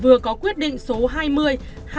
vừa có quyết định số hai mươi hai nghìn hai mươi